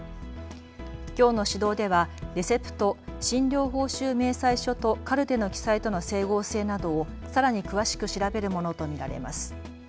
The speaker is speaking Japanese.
きょうの指導ではレセプト・診療報酬明細書とカルテの記載との整合性などをさらに詳しく調べるものと見られます。